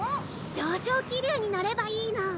上昇気流にのればいいの。